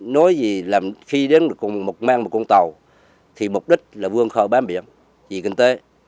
nói gì khi đến mang một con tàu thì mục đích là vươn khơi bán biển vì kinh tế